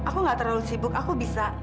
aku gak terlalu sibuk aku bisa